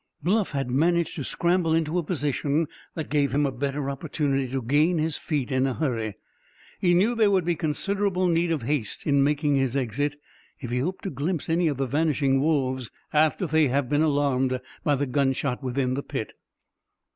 Bluff had managed to scramble into a position that gave him a better opportunity to gain his feet in a hurry. He knew there would be considerable need of haste in making his exit, if he hoped to glimpse any of the vanishing wolves after they had been alarmed by the gunshot within the pit.